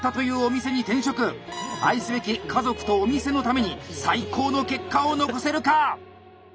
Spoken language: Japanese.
愛すべき家族とお店のために最高の結果を残せるか！